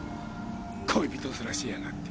恋人面しやがって。